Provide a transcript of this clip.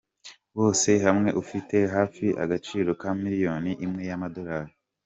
Wose hamwe ufite hafi agaciro ka miliyoni imwe y’amadolari.